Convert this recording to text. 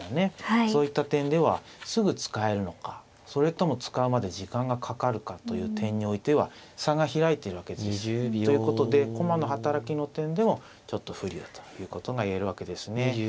そういった点ではすぐ使えるのかそれとも使うまで時間がかかるかという点においては差が開いてるわけです。ということで駒の働きの点でもちょっと不利だということが言えるわけですね。